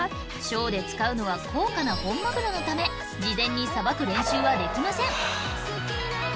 ショーで使うのは高価な本マグロのため事前に捌く練習はできません。